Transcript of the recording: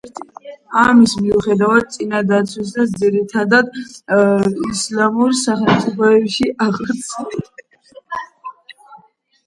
ამის მიუხედავად, წინადაცვეთას ძირითადად ისლამურ სახელმწიფოებში ახორციელებენ.